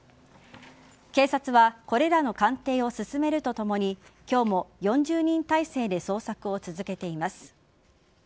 警察はこれらの鑑定を進めるとともに今日も４０人態勢で捜索を続けています。